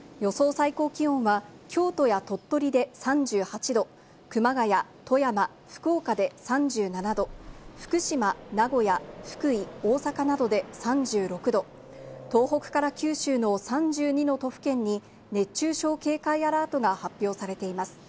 最高気温は京都や鳥取で３８度、熊谷、富山、福岡で３７度、福島、名古屋、福井、大阪などで３６度、東北から九州の３２の都府県に熱中症警戒アラートが発表されています。